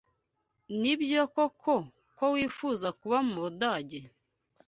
Nibyo koko ko wifuzaga kuba mu Budage?